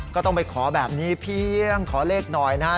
ก็ต้องไปขอแบบนี้เพียงขอเลขหน่อยนะฮะ